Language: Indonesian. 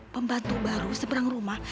pembantu baru seberang rumah